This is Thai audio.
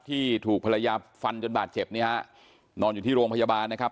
ที่ถูกภรรยาฟันจนบาดเจ็บเนี่ยฮะนอนอยู่ที่โรงพยาบาลนะครับ